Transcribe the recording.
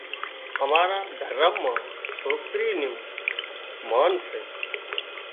امارا دهرم مان سوڪرِي نُون مانَ سي